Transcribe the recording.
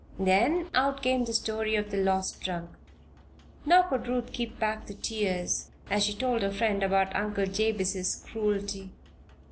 Then, out came the story of the lost trunk. Nor could Ruth keep back the tears as she told her friend about Uncle Jabez's cruelty.